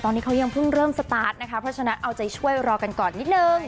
ตอนนี้เขายังเพิ่งเริ่มสตาร์ทนะคะเพราะฉะนั้นเอาใจช่วยรอกันก่อนนิดนึง